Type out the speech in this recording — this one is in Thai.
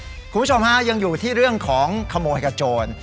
คุณผู้ชมฮะยังอยู่ที่เรื่องของขโมยกับโจร